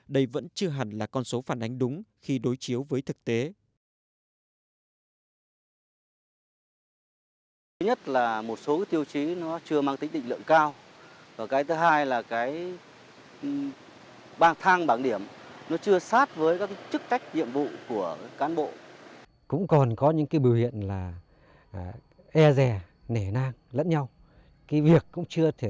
đây vẫn chưa hẳn là con số phản ánh đúng khi đối chiếu với thực tế